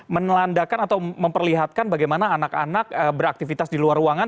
menelandakan atau memperlihatkan bagaimana anak anak beraktivitas di luar ruangan